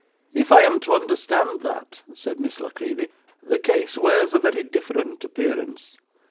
'If I am to understand that,' said Miss La Creevy, 'the case wears a very different appearance.